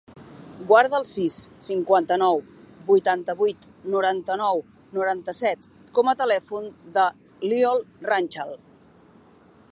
Guarda el sis, cinquanta-nou, vuitanta-vuit, noranta-nou, noranta-set com a telèfon de l'Iol Ranchal.